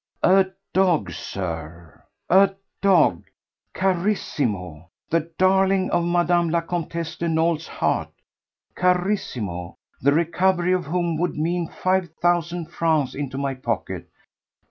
A dog, Sir! a dog! Carissimo! the darling of Mme. la Comtesse de Nolé's heart! Carissimo, the recovery of whom would mean five thousand francs into my pocket!